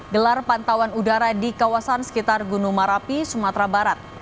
gelar pantauan udara di kawasan sekitar gunung marapi sumatera barat